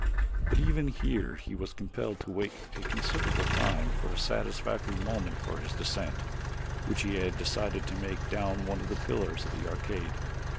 But even here he was compelled to wait a considerable time for a satisfactory moment for his descent, which he had decided to make down one of the pillars of the arcade.